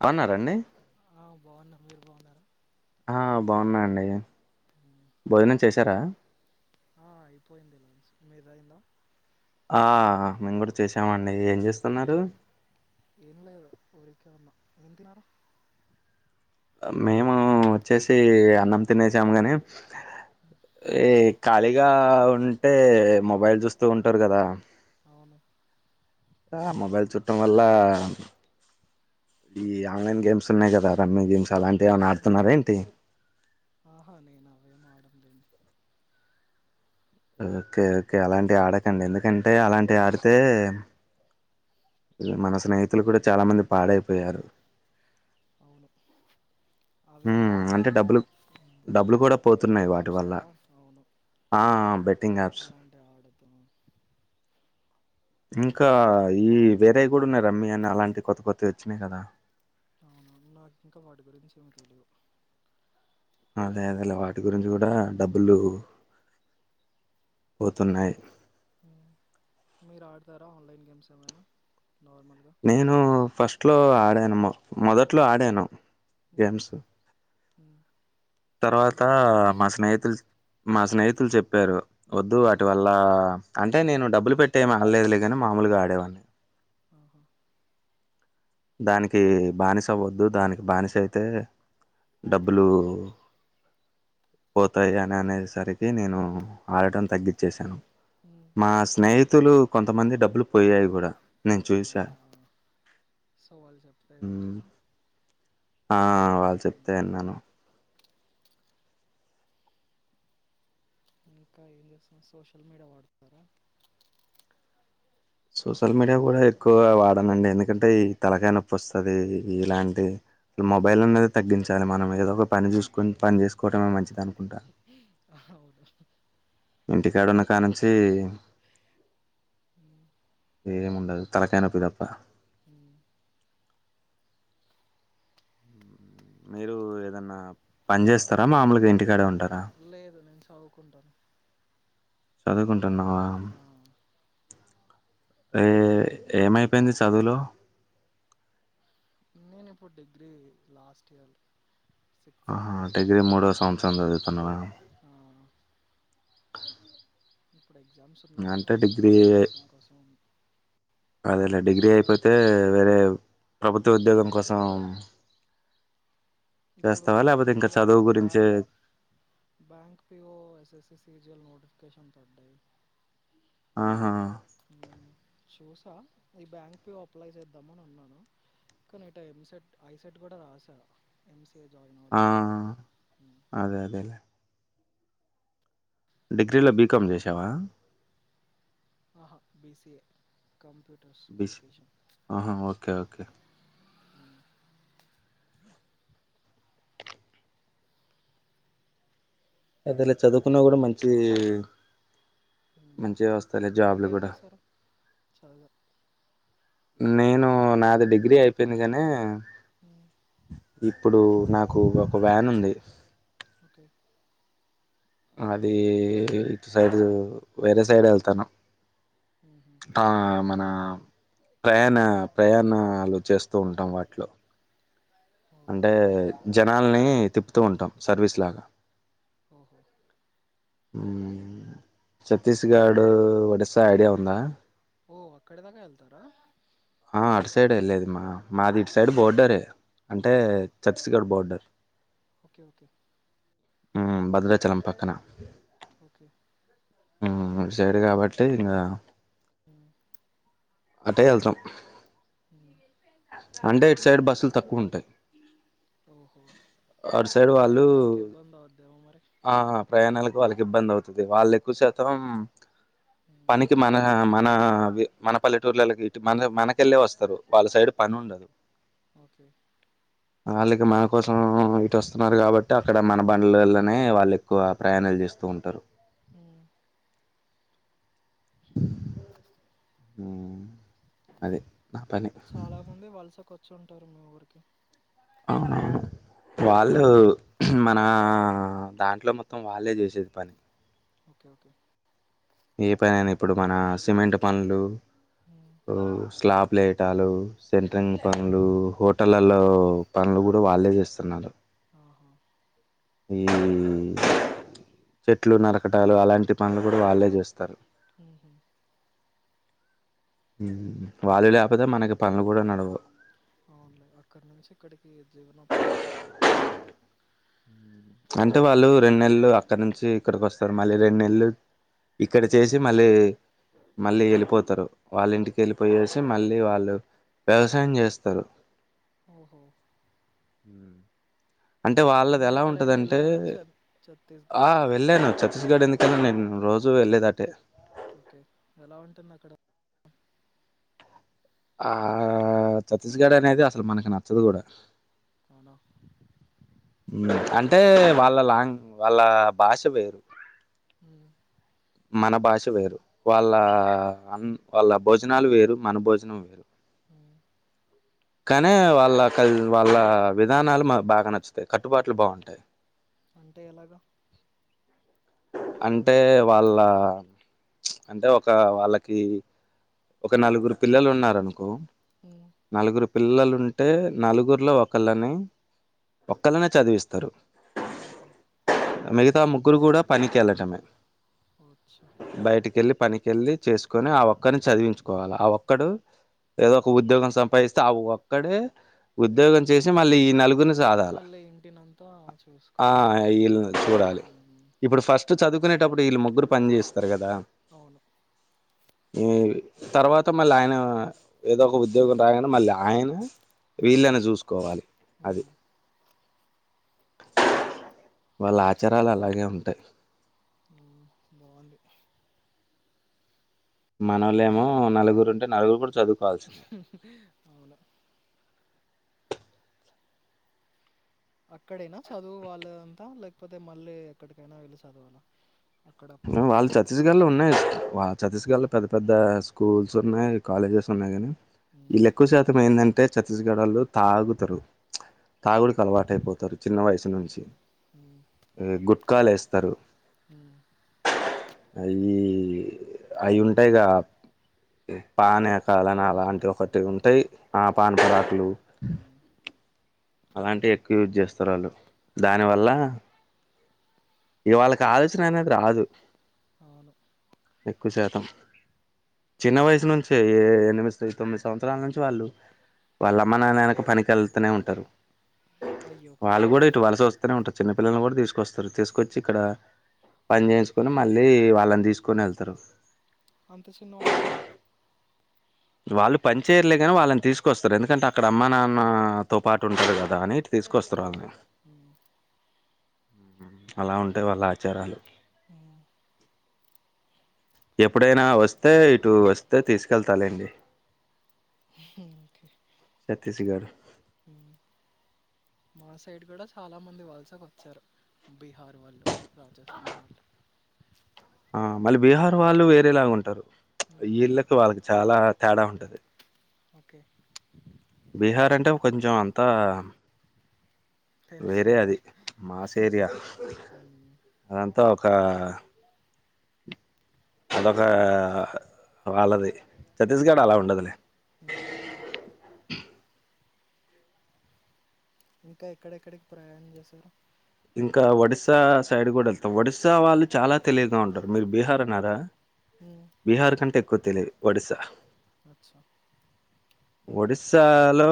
బవున్నారంండి ఆ బాగున్న మీరు బాగున్నారా ఆ బాగున్నా అండీ భోజనం చేశారా ఆ అయిపోయింది మీల్స్ మీది అయిందా ఆ మేము కూడా చేసామండి ఏం చేస్తున్నారు ఏం లేదు ఉరికే ఉన్న ఏం తిన్నారు మేమ వచ్చేసి అన్నం తినేసాము గాని ఈ ఖాళీగా ఉంటే మొబైల్ చూస్తూ ఉంటారు కదా అవును మొబైల్ చుట్టం వల్ల ఈ ఆన్లైన్ గేమ్స్ ఉన్నాయి కదా రన్నింగ్ గేమ్స్ అలాంటి ఏమైన ఉమ్. ఆడుతున్నార ఏంటి లేదండి ఓకే ఓకే అలాంటి ఆడకండి ఉమ్, ఎందుకంటే అలాంటి ఆడితే మన స్నేహితులు కూడా చాలా మంది పాడైపోయారు అవును అవి ఉమ్, అంటే డబ్బులు డబ్బులు కూడా పోతున్నాయి బెట్టింగ్ వాటి యాప్స్ వల్ల కదా అవును ఆ బెట్టింగ్ యాప్స్ పాస్ ఇంకా ఈ వేరే కూడా ఉన్నాయి రమ్మీ అని అలాంటి కొత్త కొత్తవి వచ్చినాయి కదా అవును నాకు ఇంకా వాటి గురించి ఏమో తెలివు అదే అదే వాటి గురించి కూడా డబ్బులు పోతున్నాయి ఊ మీరు ఆడతారా ఆన్లైన్ గేమ్స్ ఏమైనా నార్మల్గా నేను ఫస్ట్ లో ఆడాను మొదట్లో ఆడాను ఉమ్, గేమ్స్ ఉమ్. తర్వాత ఎలాంటి గేమ్స్ మా స్నేహితులు మా స్నేహితులు చెప్పారు వద్దు ఉమ్, వాటి వల్ల అంటే నేను డబ్బులు పెట్టే ఏమ్ ఆడలేదు కానీ మామూలుగా ఆడేవాడిని హహ దానికి బానిస అవ్వద్దు దానికి బానిస అయితే డబ్బులు అవును పోతాయి అని అనేసరికి నేను ఆడటం తగ్గించేసాను ఉమ్, మా స్నేహితులు కొంతమంది డబ్బులు పోయాయి కూడా నేను చూసా ఆహా సో వాళ్ళు చెప్తే మ్మ్ విన్నారా ఆ వాళ్ళు చెప్తే ఉమ్, విన్నాను ఇంకా ఏం చేస్తున్నారు సోషల్ మీడియా వాడుతున్నారా సోషల్ మీడియా కూడా ఎక్కువగా వాడనండి ఎందుకంటే ఈ తలకా నొప్పి వస్తది ఇలాంటి మొబైల్ ఉమ్, అనేది తగ్గించాలి మనమేదో ఒక పని చూసుకుని పని చేసుకోటమే మంచిది అనుకుంటా అవును ఇంటికాడున్న కానుంచి ఉమ్, ఏమి ఉండదు తలకానొప్పి తప్ప హు మీరు ఏదన్నా పని చేస్తారా మామూలుగా ఇంటికాడే ఉంటారా లేదు నేను చవుకుంటాను చదువుకుంటున్నావా ఏ ఏమైపోయింది చదువులో నేను ఇప్పుడు degree last year sixth sem ఆహా డిగ్రీ మూడో సంవత్సరం చదువుతున్నావా ఆ ఇప్పుడు ఎగ్జామ్స్ ఉన్నాయి అంటే వాటికి డిగ్రీ ప్రిపరేషన్ కోసం ఉన్న పోతే వేరే ప్రభుత్వ ఉద్యోగం కోసం ఇప్పుడు చేస్తావా లేకపోతే పడింది ఇంకా కదా చదువు గురించే bank bank PO S S C physical notification పడ్డాయి ఆహా ఉమ్, చూసా ఈ బ్యాంక్ లో అప్లై చేద్దాం అని ఉన్నాను కానీ ఇట ఎంసెట్ ఐసెట్ కూడా రాసారు ఎం సీ ఏ జాయిన్ ఆ అవుదామని ఉమ్. అదే అదేలే డిగ్రీలో బీకామ్ చేసావా ఆహా బీసిఏ బీసీ ఆహా ఓకే ఓకే అదిలా చదువుకున్న కూడా మంచి మంచి వస్తలే జాబ్లు మీరేం కూడా చేస్తారు చదువు నేను నాది డిగ్రీ అయిపోయింది కానీ అ ఇప్పుడు నాకు ఒక వ్యాన్ ఉంది ఓకే అది ఇటు సైడ్ వేరే సైడ్ వెళ్తాను మ్మ్హ. ఆ మన ప్రయాణ ప్రయాణాలు చేస్తూ ఉంటాం వాటిలో ఓకే అంటే జనాల్ని తిప్పుతూ ఉంటాం సర్వీస్ లాగా ఓహో మ్మ్ ఛత్తీస్గడు మరి ఒడిస్సా ఐడియా ఉంద ఓ అక్కడి దాకా వెళ్తారా ఆ అటు సైడే వెళ్ళేది మా మాది ఇటు సైడ్ బోర్డరే అంటే ఛత్తీస్గఢ బోర్డర్ ఓకే ఓకే మ్మ్ భద్రాచలం పక్కన ఓకే మ్మ్ ఇటు సైడ్ కాబట్టి ఇంగ హ్మ్ అటే వెళ్తాం హ్మ్ అంటే ఇటు సైడ్ బస్సులు తక్కువ ఉంటాయి ఓహో అటు సైడ్ వాళ్ళు ప్రయాణానికి ఇబ్బంది అవుద్దేమో మరి ఆ ప్రయాణాలకు వాళ్ళ ఇబ్బంది అవుతది వాళ్ళు ఎక్కువ శాతం మ్మ్. పనికి మన మన మన మన పల్లెటూర్లకి ఇ మన మనకెళ్ళి వస్తారు వాళ్ళ సైడ్ పని ఉండదు ఓకే వాళ్ళకి మన కోసం ఇటోస్తున్నారు కాబట్టి అక్కడ మన బండ్లల్లనే వాళ్ళు ఎక్కువ ప్రయాణాలు చే ఇస్తూ ఉంటారు మ్మ్ మ్మ్ అది నా పని చుంటారు మా ఊరికి అవునవును వాళ్ళు మన దాంట్లో మొత్తం వాళ్ళే చేసేది పని ఓకే ఓకే ఏ పనైనా ఇప్పుడు మన సిమెంట్ పనులు మ్మ్. స్లాబ్ ప్లేయటాలు మ్మ్. సెంటరింగ్ పనులు మ్మ్. హోటలళ్లో పనులు కూడా వాళ్ళే చేస్తున్నారు ఆహా ఈ చెట్లు నరకటాలు అలాంటి పనులు కూడా వాళ్ళే చేస్తారు మ్మ్ హ్మ్ వాళ్ళు లేకపోతే మనకి పనులు కూడా నడవవు అవును అక్కడి నుంచి ఇక్కడికి జీవనోపాధి కోసం వచ్చారు అంటే వాళ్ళు రెండు నెల్లు అక్కడ నుంచి ఇక్కడికి వస్తారు మళ్ళీ రెండు నెల్లు ఇక్కడ ఇంటికి చేసి మళ్ళీ వెళ్ళిపోతారా మళ్ళీ వెళ్ళిపోతారు వాళ్ళ ఇంటికి వెళ్ళిపోయేసి మళ్ళీ వాళ్ళు వ్యవసాయం చేస్తారు ఓహో అంటే వాళ్ళది మీరు ఎలా ఎప్పుడైనా ఉంటదంటే వెళ్ళారా చ ఛత్తీస్గఢ్ ఆ వెళ్ళాను ఛత్తీస్గఢ్ ఎందుకు అయితే నేను రోజు వెళ్లేది అటే ఓకే ఎలా ఉంటుంది అక్కడ ఆ ఛత్తీస్గఢ్ అనేది అసలు మనకి నచ్చదు కూడా హాలో అంటే వాళ్ళ లాంగ్ వాళ్ళ భాష వేరు అమ్ మన భాష వేరు వాళ్ళ అన్ వాళ్ళ భోజనాలు వేరు మన భోజనం వేరు మ్మ్. కానీ వాళ్ళ వాళ్ళ విధానాలు మనకు బాగా నచ్చుతాయి కట్టుబాట్లు బాగుంటాయి అంటే ఎలాగా అంటే వాళ్ళ అంటే ఒక వాళ్ళకి ఒక నలుగురు పిల్లలు ఉన్నారు ఆనుకో మ్మ్. నలుగురు పిల్లలుంటే నలుగురిలో ఒకళ్ళని ఒకళ్ళనే చదివిస్తారు ఓహో మిగతా ముగ్గురు కూడా పనికి వెళ్ళటమే అచ్చా బయటికి వెళ్ళి పనికెళ్ళి చేసుకొని ఆ ఒక్కరిని చదివించుకోవాలి ఆ ఒక్కడు ఏదో ఒక ఉద్యోగం సంపాదిస్తే అ ఒక్కడే ఉద్యోగం చేసి మళ్ళీ ఈ నలుగురి ని మళ్ళీ ఇంటినంత ఆ ఇళ్లు చూడాలి మ్మ్. ఇప్పుడు ఫస్ట్ చదువుకునే టప్పుడు వీళ్ళ ముగ్గురు పని చేస్తారు కదా అవును ఈ తర్వాత మళ్ళీ ఆయన ఏదో ఒక ఉద్యోగం రాగానే మళ్ళీ ఆయన వీళ్ళని చూసుకోవాలి అది మ్మ్, వాళ్ళ ఆచారాలు అలాగే ఉంటాయి బావుంది మనోళ్ళు ఏమో నలుగురు ఉంటే నలుగురు కూడా చదువుకోవాల్సిందే అవును అక్కడైనా చదువు వాళ్ళ అంతా లేకపోతే మళ్ళీ ఎక్కడికైనా వెళ్ళి చదవాలా అక్కడ ఉమ్ వాళ్ళు ఛత్తీస్గఢ్ లో పాఠశాల ఉన్నాయి అండి వాళ్ళ ఛత్తీస్గఢ్ ఓకే లో పెద్ద పెద్ద స్కూల్స్ ఉన్నాయి కాలేజెస్ ఉన్నాయి కాగానీ మ్మ్, వీళ్ళ ఎక్కువ శాతం ఏందంటే అంటే ఛత్తీస్గడ్ వాళ్ళు తాగుతారు తాగుడికి అలవాటైపోతారు చిన్న వయసు మ్మ్, నుంచి మ్మ్, ఇక గుట్కాలు వేస్తారు హమ్ అయి అవి ఉంటాయిగా పానే కాలన పాన్ అలాంటివి పరాగ్ ఒకటి ఆ, ఉంటాయి ఆ పాన్ పరాకులు మ్మ్, అలాంటివి ఎక్కువ యూజ్ చేస్తారు వాళ్ళు మ్మ్. దానివల్ల ఇక వాళ్ళకి ఆలోచన అనేది రాదు అవును ఎక్కువ శాతం చిన్న వయసు నుంచే ఏ ఎనిమిది తొమ్మిది సంవత్సరాల నుంచి వాళ్ళు వాళ్ళ అమ్మ నాయన వెనక పనికి వెళ్తూనే ఉంటారు అయ్యో వాళ్ళు పాపం కూడా ఇటు వలస వస్తూనే ఉంటారు చిన్నపిల్లల్ని కూడా తీసుకొస్తారు తీసుకొచ్చి ఇక్కడ పని మ్మ్, చేసుకొని మళ్ళీ వాళ్ళని తీసుకొని వెళ్తారు అంత చిన్న వాళ్ళని వాళ్ళు పని చేయర్లే కానీ వాళ్ళని తీసుకొస్తారు ఎందుకంటే అక్కడ అమ్మ నాన్న తో పాటు ఉంటడు కదా దాన్ని ఇటు తీసుకొస్తారు ఓకే వాళ్ళని ఉమ్, ఉమ్ అలా ఉంటాయి వాళ్ళ ఆచారాలు అ ఎప్పుడైనా వస్తే ఇటు వస్తే తీసుకెళ్తాలండి ఇక తెసి గారు మా సైడ్ కూడా చాలా మంది వలసకు వచ్చారు బిహార్ వాళ్ళ రాజస్థా వాళ్ళ ఆ మళ్ళీ బీహార్ వాళ్ళు వేరేలాగా ఉంటారు ఈ ఉమ్, ఇళ్ళకి వాళ్ళకి చాలా తేడా ఉంటుంది ఓకే బీహార్ అంటే కొంచెం అంతా వేరే అది తెలుసులేండి మాస్ ఏరియా ఉమ్, అదంతా స అదొక వాళ్ళది ఛత్తీస్గఅలా ఉండదులే హ ఇంకా ఎక్కడెక్కడికి ప్రయాణం చేశారు ఇంకా ఒడిస్శా సైడ్ కూడా వెళ్తాం ఒడిస్శా వాళ్ళు చాలా తెలియదు ఉంటారు మీరు బీహార్ అన్నారా ఉమ్, బీహార్ కంటే ఎక్కువ తెలియదు ఒడిస్శా అచ్చా ఒడిశాలో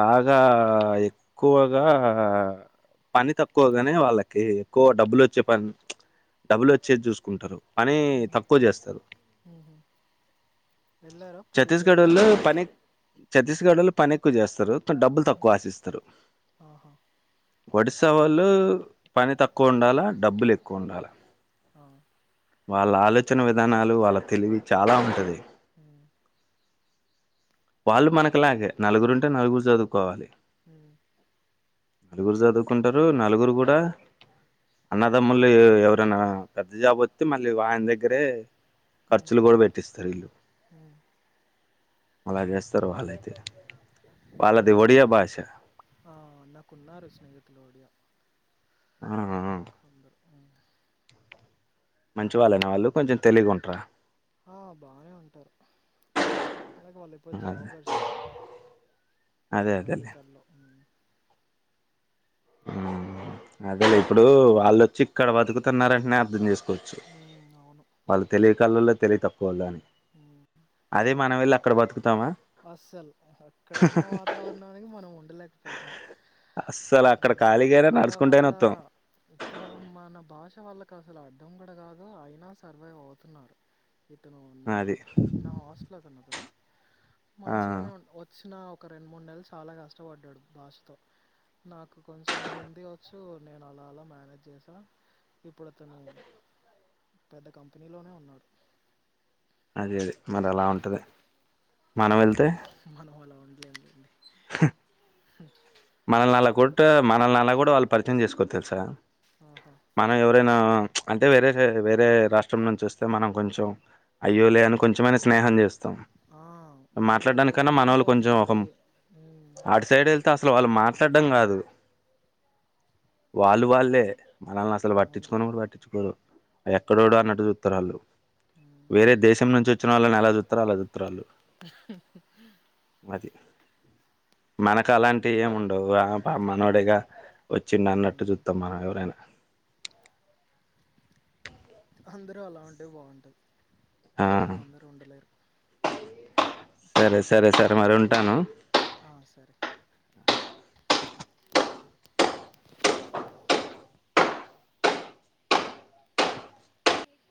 బాగా ఎక్కువగా పని తక్కోవగానే వాళ్ళకి ఎక్కువ డబ్బులు వచ్చే పని డబ్బులు వచ్చేది చూసుకుంటారు పని ఉమ్, తక్కువ చేస్తారు ఉమ్హు. వెళ్ళారా పూరి ఛత్తీస్గఢ్ జగన్నాథ్ లో టెంపుల్ పనిత్తీస్ గడలు పని ఎక్కువ చేస్తారు డబ్బులు ఉమ్, తక్కువ ఆశిస్తారు ఆహా ఒ వసే వాళ్ళు పని తక్కువ ఉండాలా డబ్బులు ఎక్కువ ఉండాలా ఆ వాళ్ళ ఆలోచన విధానాలు వాళ్ళ తెలివి చాలా ఉంటుది హ వాళ్ళు మనకులాగే నలుగురు ఉంటే నలుగురు చదువుకోవాలి ఉమ్, నలుగురు చదువుకుంటారు నలుగురు కూడా అన్నదమ్ముళ్ళ ఎవరైనా పెద్ద జాబు వస్తి మళ్ళీ ఆయన దగ్గరే ఉమ్, ఖర్చులు కూడా పెట్టిస్తారు ఇల్లు ఉమ్. మలా గెస్తస్తర వాాలతే వాాలది వడియా బష ఆ, నాకున్నారు స్నేహితులు ఆ కొబ మంచి వాళ్ళైన వాళ్ళు కొంచెం తెలిగి ఉంటరా ఆ బానే ఉంటారు అలాగ వాళ్ళు ఇపోతే అదే జాబర్స్ ఏద అదే అదేలే మెడికల్లో అదేలే ఇప్పుడు వాళ్ళుొచ్చి ఇక్కడ బతుకుతున్నారంటే నేను అర్థం చేసుకును మ్మ్ అవును వాళ్ళు తెలియ కళ్ళల్లో తెలియ తక్కువ వాళ్ళు అని అదే మన వెళ్ళి అక్కడ బతుకుతామా అస్సలు అక్కడ ఉన్న వాతావరణానికి మనం ఉండలేక పోతాం అస్సలు అక్కడ ఖాళీగానే ఇక్కడ నడుచుకుంటేనే వాళ్ళ వత్తాం ఇక్కడ మనం భాష వాళ్ళకి అసలు అడ్డంం కూడా కాదు అయినా సర్వైవ్ అవుతున్నారు ఇతను నా అది నా హాస్టల్ అతను అతను ఆ మంచిగానే వచ్చిన ఒక రెండు మూడు నెలలు చాలా కష్టపడ్డాడు భాషతో నాకు కొంచెం హిందీ వచ్చు నేను అలా అలా మేనేజ్ చేసాను ఇప్పుడు అతను పెద్ద కంపెనీలోనే ఉన్నాడు అది అది మరి అలా మ్మ్. ఉంటుంది మనం వెళ్తే మనం అలా ఉండలేం లేండి మనల్ని అలా కొ మనల్ని అలా కూడా వాళ్ళు పరిచయం చేసుకోతారు సార్ ఆహా మనవ ఎవరేనా అంటే వేరే వేరే రాష్ట్రం నుంచి వస్తే మనం కొంచెం అయ్యోలే అని కొంచెమైన స్నేహం చేస్తం ఆ మన దగ్గర ఉన్నంత మరి ఆటు సైడ్ వెళ్తే అసలు వాళ్ళు మాట్లాడ్డం కాదు వాళ్ళు వాళ్ళే మనల్ని అసలు అవును పట్టించుకోను కూడ పట్టించుకోరు ఎక్కడోడొ అన్నట్టు చుత్తరాళ్ళ వేరే దేశం నుంచి వచ్చిన వాళ్ళని ఎలా చుత్తరొ అలా చుత్తరుఆళ్ళు అది మనకు అలాంటి ఏమి ఉండవు మనోడేగా వచ్చిం అన్నట్టు హ్మ్ చూత్తం మనం ఎవరైనా అందరూ అలా ఉంటే బావుంటది ఆ కానీ అందరూ ఉండలేరు సరే సరే సరే మరి ఉంటాను ఆ సరే